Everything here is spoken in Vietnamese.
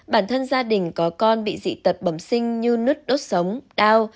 bản thân gia đình có con bị dị tật bẩm sinh như nứt đốt sống đau